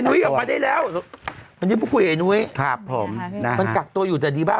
ออกมาได้แล้ววันนี้พูดคุยไอ้นุ้ยครับผมมันกักตัวอยู่แต่ดีบ้าง